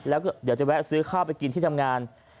แล้วก็เดี๋ยวจะแวะซื้อข้าวไปกินที่ทำงาน